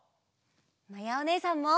まやおねえさんも！